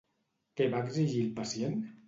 Què va exigir el pacient?